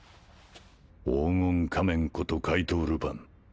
「黄金仮面こと怪盗ルパン。